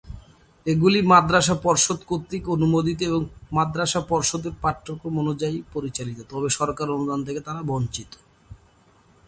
এগুলি মাদ্রাসা পর্ষদ কর্তৃক অনুমোদিত এবং মাদ্রাসা পর্ষদের পাঠক্রম অনুযায়ী পরিচালিত, তবে সরকারি অনুদান থেকে তারা বঞ্চিত।